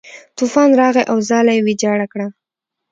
طوفان راغی او ځاله یې ویجاړه کړه.